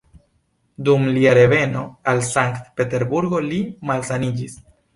Dum lia reveno al Sankt-Peterburgo, li malsaniĝis.